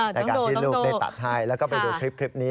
ในการที่ลูกได้ตัดให้แล้วก็ไปดูคลิปนี้